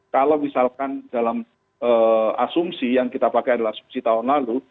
kalau misalkan dalam asumsi yang kita pakai adalah asumsi tahun lalu